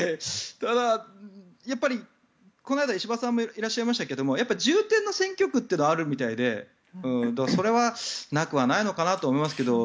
ただ、やっぱりこの前、石破さんもいらっしゃいましたがやっぱり重点の選挙区というのはあるみたいでそれはなくはないのかなと思いますけれど。